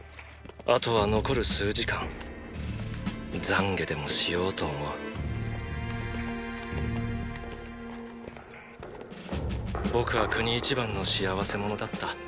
あとは残る数時間懺悔でもしようと思う僕は国一番の幸せ者だった。